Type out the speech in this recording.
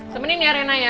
temenin ya rena ya